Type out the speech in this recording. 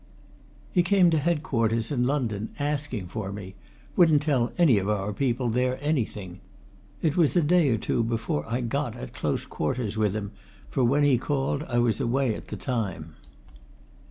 He came to headquarters in London, asking for me wouldn't tell any of our people there anything it was a day or two before I got at close quarters with him, for when he called I was away at the time.